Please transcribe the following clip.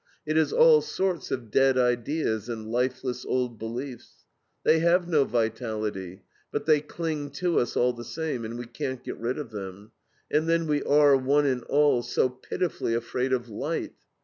It is all sorts of dead ideas and lifeless old beliefs. They have no vitality, but they cling to us all the same and we can't get rid of them.... And then we are, one and all, so pitifully afraid of light.